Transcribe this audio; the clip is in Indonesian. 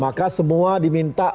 maka semua diminta